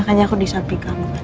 makanya aku disamping kamu mas